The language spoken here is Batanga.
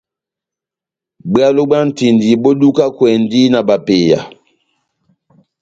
Bwalo bwa ntindi bó dukakwɛndi na bapeya.